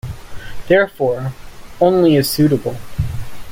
Therefore, only is suitable.